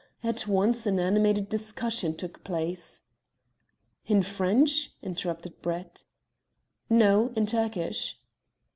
At once an animated discussion took place." "In French?" interrupted Brett. "No; in Turkish."